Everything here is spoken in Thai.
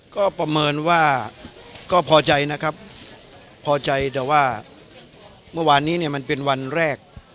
ก็ประเมินว่าก็พอใจนะครับพอใจแต่ว่าเมื่อวานนี้เนี่ยมันเป็นวันแรก